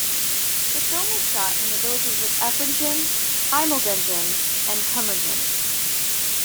The film was shot in the villages of Efringen, Eimeldingen and Tumringen.